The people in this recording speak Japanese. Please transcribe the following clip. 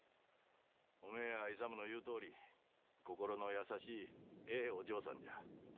おめえや勇の言うとおり心の優しいええお嬢さんじゃ。